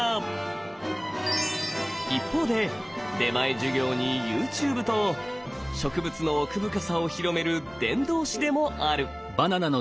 一方で出前授業にＹｏｕＴｕｂｅと植物の奥深さを広める伝道師でもある。